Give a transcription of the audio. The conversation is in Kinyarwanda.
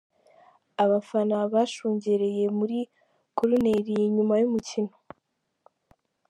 Abafana bashungereye muri koruneri nyuma y'umukino.